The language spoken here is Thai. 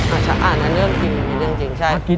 อ่าฉะนั้นเรื่องกินมันมีเรื่องจริงใช่